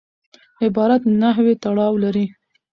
عبارت نحوي تړاو لري.